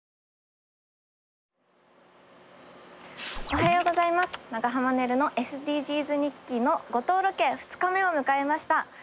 おはようございます長濱ねるのＳＤＧｓ日記の五島ロケ２日目を迎えました。